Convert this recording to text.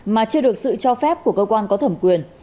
mà chưa được sự cho phép của cơ quan có thẩm quyền